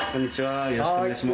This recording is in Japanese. よろしくお願いします